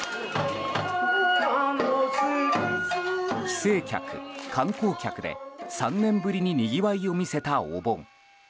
帰省客、観光客で３年ぶりににぎわいを見せたお盆。